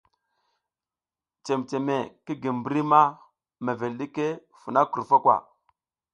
Cememe ki gi mbri ma mevel ɗiki funa krufo kwa.